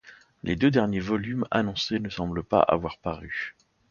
Les deux derniers volumes annoncés ne semblent pas avoir parus.